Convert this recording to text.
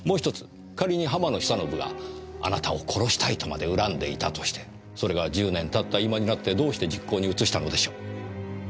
仮に浜野久信があなたを殺したいとまで恨んでいたとしてそれが１０年たった今になってどうして実行に移したのでしょう？